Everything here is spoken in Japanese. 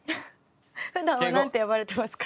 普段はなんて呼ばれてますか？